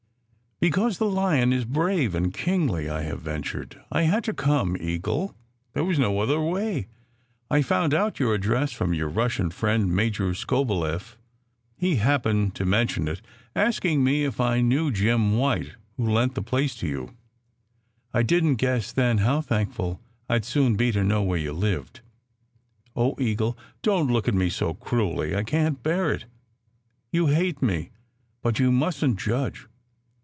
"" Because the lion is brave and kingly I have ventured. I SECRET HISTORY 311 had to come, Eagle. There was no other way. I found out your address from your Russian friend, Major Skobeleff. He happened to mention it, asking me if I knew Jim White who d lent the place to you. I didn t guess then how thank ful I d soon be to know where you lived. Oh, Eagle! Don t look at me so cruelly! I can t bear it. You hate me, but you mustn t judge.